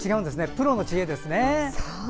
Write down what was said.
プロの知恵ですね。